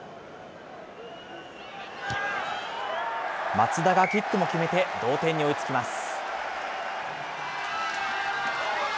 松田がキックも決めて、同点に追いつきます。